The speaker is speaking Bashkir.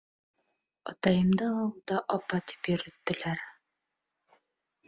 Атайымды ауылда "апа" тип йөрөттөләр.